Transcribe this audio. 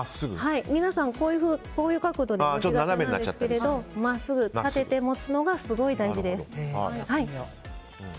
皆さん、斜めの角度で撮りがちなんですけど真っすぐ立てて持つのがすごい大事です。